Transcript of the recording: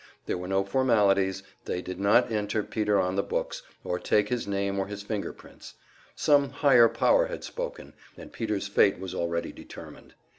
There were no formalities, they did not enter Peter on the books, or take his name or his finger prints; some higher power had spoken, and Peter's fate was already determined.